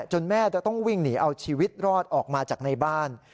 แม่จะต้องวิ่งหนีเอาชีวิตรอดออกมาจากในบ้าน